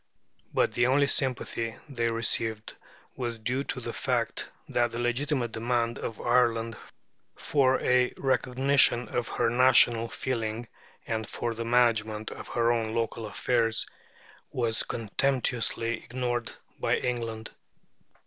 But the only sympathy they received was due to the fact that the legitimate demand of Ireland for a recognition of her national feeling and for the management of her own local affairs was contemptuously ignored by England.